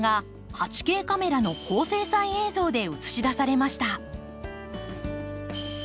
８Ｋカメラの高精細映像で映し出されました。